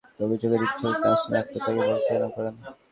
পরীক্ষা চলাকালে নকল করার অভিযোগে শিক্ষক নাসরিন আক্তার তাকে ভর্ৎসনা করেন।